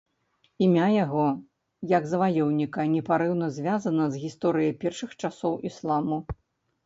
Імя яго, як заваёўніка, непарыўна звязана з гісторыяй першых часоў ісламу.